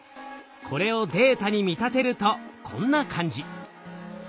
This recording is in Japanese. これをデータに見立てるとこんな感じ。